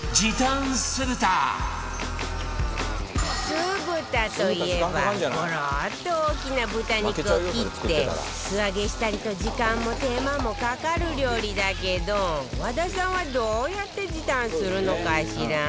酢豚といえばゴロッと大きな豚肉を切って素揚げしたりと時間も手間もかかる料理だけど和田さんはどうやって時短するのかしら？